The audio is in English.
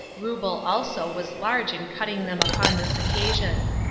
Reubel also was large in cutting them upon this occasion.